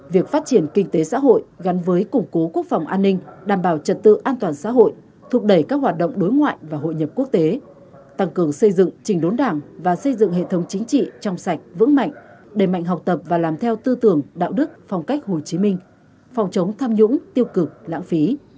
việc phát triển kinh tế xã hội gắn với củng cố quốc phòng an ninh đảm bảo trật tự an toàn xã hội thúc đẩy các hoạt động đối ngoại và hội nhập quốc tế tăng cường xây dựng trình đốn đảng và xây dựng hệ thống chính trị trong sạch vững mạnh đầy mạnh học tập và làm theo tư tưởng đạo đức phong cách hồ chí minh phòng chống tham nhũng tiêu cực lãng phí